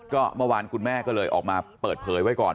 ก็เมื่อวานคุณแม่ก็เลยออกมาเปิดเผยไว้ก่อน